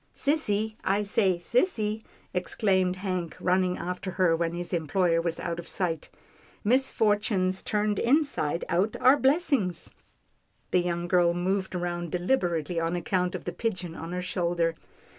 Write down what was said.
" Sissy, I say, sissy," exclaimed Hank running after her, when his employer was out of sight. " Misfortunes turned inside out are blessings." The young girl moved round deliberately on account of the pigeon on her shoulder.